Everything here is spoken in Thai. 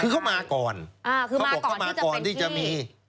คือเขามาก่อนเขาบอกเขามาก่อนที่จะมีคือมาก่อนที่จะเป็นที่